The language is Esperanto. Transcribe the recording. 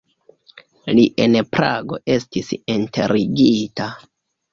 Li en Prago estis enterigita.